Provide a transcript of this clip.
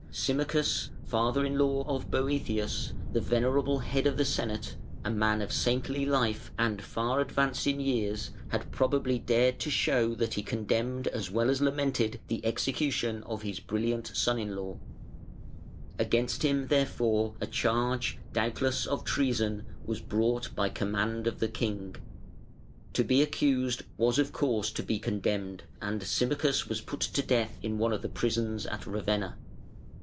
Symmachus, father in law of Boëthius, the venerable head of the Senate, a man of saintly life and far advanced in years, had probably dared to show that he condemned as well as lamented the execution of his brilliant son in law. Against him, therefore, a charge, doubtless of treason, was brought by command of the king. To be accused was of course to be condemned, and Symmachus was put to death in one of the prisons at Ravenna.